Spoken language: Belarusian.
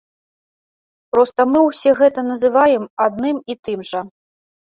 Проста мы ўсё гэта называем адным і тым жа.